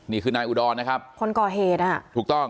นี่คือนายอุดรคนก่อเหตุ